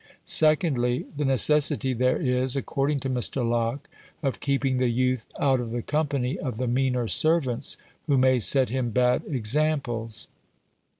2ndly, The necessity there is, according to Mr. Locke, of keeping the youth out of the company of the meaner servants, who may set him bad examples.